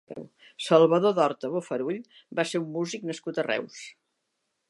Salvador d'Horta Bofarull va ser un músic nascut a Reus.